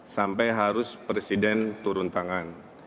sampai harus presiden turun tangan